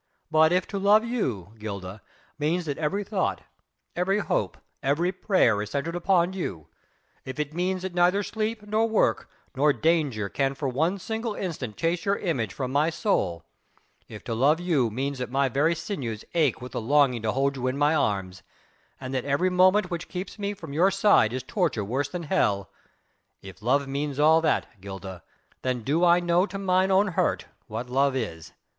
But if to love you, Gilda, means that every thought, every hope, every prayer is centred upon you, if it means that neither sleep nor work, nor danger can for one single instant chase your image from my soul, if to love you means that my very sinews ache with the longing to hold you in my arms, and that every moment which keeps me from your side is torture worse than hell; if love means all that, Gilda, then do I know to mine own hurt what love is."